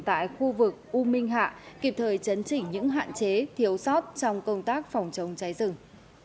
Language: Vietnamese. tại khu vực u minh hạ kịp thời chấn chỉnh những hạn chế thiếu sót trong công tác phòng chống cháy rừng